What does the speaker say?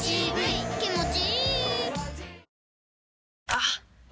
あっ！